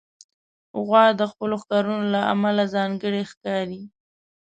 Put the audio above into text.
غوا د خپلو ښکرونو له امله ځانګړې ښکاري.